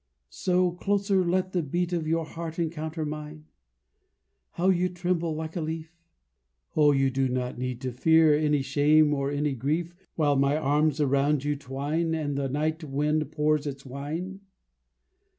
So, closer: let the beat Of your heart encounter mine. (How you tremble like a leaf!) O you do not need to fear Any shame or any grief While my arms around you twine And the night wind pours its wine.